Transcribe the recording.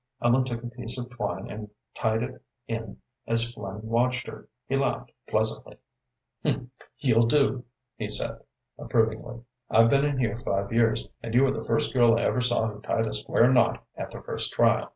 Ellen took a piece of twine and tied it in as Flynn watched her. He laughed pleasantly. "You'll do," he said, approvingly. "I've been in here five years, and you are the first girl I ever saw who tied a square knot at the first trial.